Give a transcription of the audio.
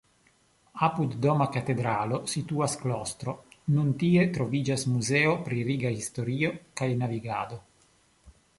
Apud Doma Katedralo situas klostro, nun tie troviĝas Muzeo pri Riga historio kaj navigado.